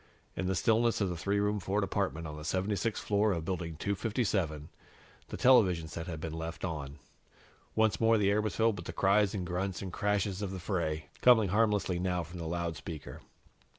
In the stillness of the three room Ford apartment on the 76th floor of Building 257, the television set had been left on. Once more the air was filled with the cries and grunts and crashes of the fray, coming harmlessly now from the loudspeaker.